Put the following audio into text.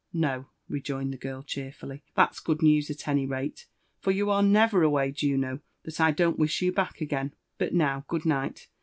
•* No 1" rejoined the girl cheerfully ;that's good news at any rate, for you are neyer away, Juno, that I don't wish you back again. — But now, good night!